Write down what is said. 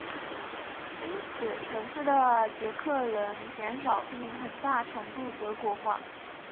因此城市的捷克人减少并很大程度德国化。